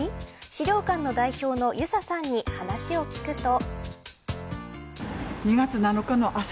資料館の代表の遊佐さんに話を聞くと。